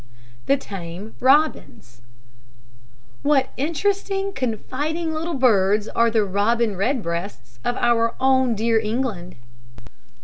THE TAME ROBINS. What interesting, confiding little birds are the robin redbreasts of our own dear England!